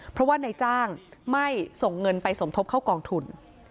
เพราะว่านายจ้างไม่ส่งเงินไปสมทบเข้ากองทุน